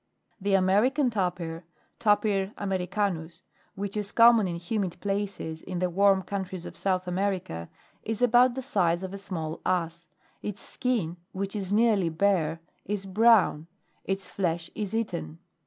1 1 . The American Tapir, Tapir Jlmericanus which is com mon in humid places in the warm countries of South America, is about the size of a small ass. Its skin, which is nearly bare, is brown. Its flesh is eaten.